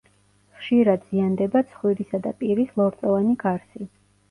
ხშირად ზიანდება ცხვირისა და პირის ლორწოვანი გარსი.